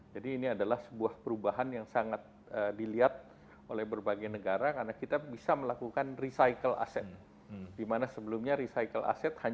jadi ini adalah sebuah perubahan yang sangat dilihat oleh bapak presiden